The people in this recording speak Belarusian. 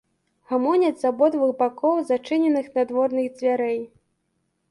Гамоняць з абодвух бакоў зачыненых надворных дзвярэй.